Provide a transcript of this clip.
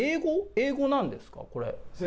英語なんですか？